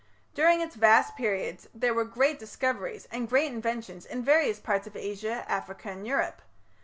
During its vast periods there were great discoveries and great inventions in various parts of Asia, Africa, and Europe.